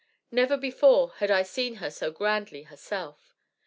Never before had I seen her so grandly herself.